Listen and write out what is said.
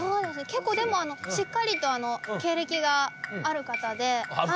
結構でもしっかりと経歴がある方で。